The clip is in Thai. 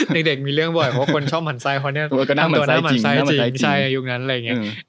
เดียวเด็กมีเรื่องบ่อยเพราะคนชอบหมั่นไซค์พอทำตัวหน้าหมั่นไซค์จริง